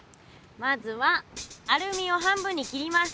まずはアルミを半分に切ります。